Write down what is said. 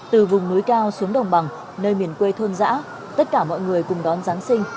từ vùng núi cao xuống đồng bằng nơi miền quê thôn giã tất cả mọi người cùng đón giáng sinh